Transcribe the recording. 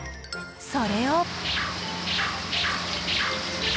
それを。